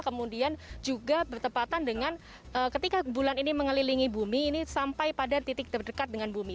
kemudian juga bertepatan dengan ketika bulan ini mengelilingi bumi ini sampai pada titik terdekat dengan bumi